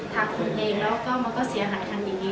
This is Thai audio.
หากคุณเองแล้วก็มันก็เสียหายกันอย่างนี้